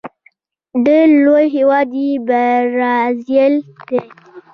ډیر لوی هیواد یې برازيل دی.